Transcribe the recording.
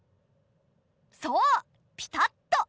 そうピタッと！